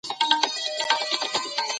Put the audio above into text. هر څوک ښوونکی کيدای سي.